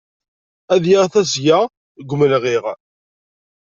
Ad yaɣ tasga deg umelɣiɣ.